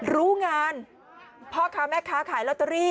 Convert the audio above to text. รู้งานพ่อค้าแม่ค้าขายลอตเตอรี่